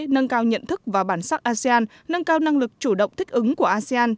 nâng cao nhận thức và bản sắc asean nâng cao năng lực chủ động thích ứng của asean